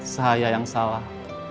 saya yang salah